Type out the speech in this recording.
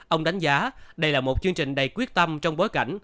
ông đánh giá đây là một chương trình đầy quyết tâm trong bối cảnh